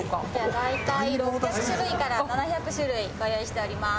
大体６００種類から７００種類ご用意しております。